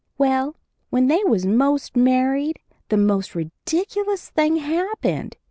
Well, when they was most married the most ridiculous thing happened.